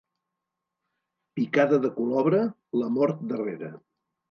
Picada de colobra, la mort darrere.